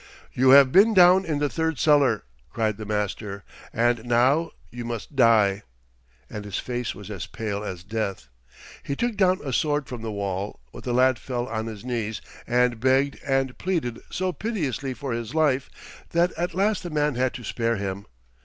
"You have been down in the third cellar," cried the Master, "and now you must die," and his face was as pale as death. He took down a sword from the wall, but the lad fell on his knees and begged and pleaded so piteously for his life that at last the man had to spare him.